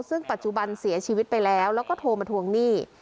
ซึ่งปัจจุบันเสียชีวิตไปแล้วแล้วก็โทรมาทวงหนี้